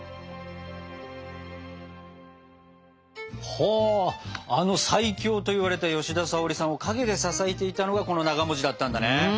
ほあの最強といわれた吉田沙保里さんを陰で支えていたのがこのながだったんだね。